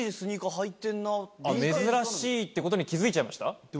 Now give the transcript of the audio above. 珍しいってことに気付いちゃいました？